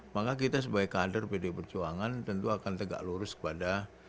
maka kita sebagai kader pdi perjuangan tentu akan tegak lurus kepada